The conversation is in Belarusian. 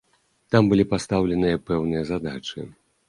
Там былі пастаўленыя пэўныя задачы.